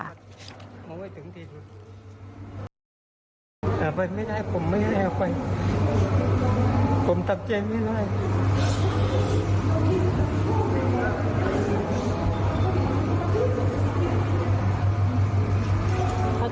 ถ้าจับมาก็ดำเนินคดีจนถึงที่สุด